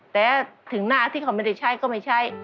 แต่ถึงหน้าที่เขาไม่ได้ใช้ก็ไม่ใช่